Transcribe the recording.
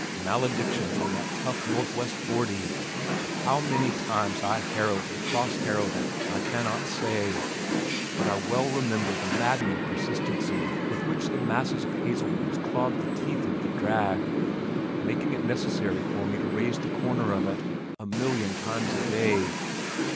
Maledictions on that tough northwest forty! How many times I harrowed and cross harrowed it I cannot say, but I well remember the maddening persistency with which the masses of hazel roots clogged the teeth of the drag, making it necessary for me to raise the corner of it a million times a day!